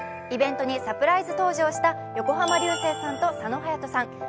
イベントにサプライズ登場した横浜流星さんと佐野勇斗さん。